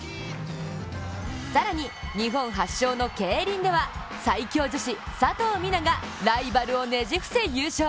更に日本発祥のケイリンでは最強女子・佐藤水菜がライバルをねじ伏せ優勝。